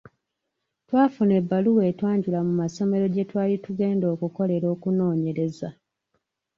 Twafuna ebbaluwa etwanjula mu masomero gye twali tugenda okukolera okunoonyereza.